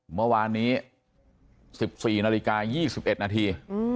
เมื่อวานนี้๑๔นาฬิกา๒๑นาที